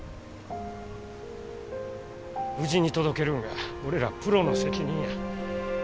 無事に届けるんが俺らプロの責任や。